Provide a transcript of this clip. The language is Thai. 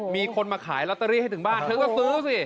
มีคนมาขายลอตเตอรี่ให้ถึงบ้านเธอก็ซื้อสิ